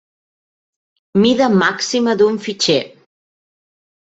Mida màxima d'un fitxer.